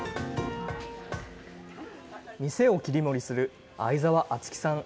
店を切り盛りする逢沢亜月さん。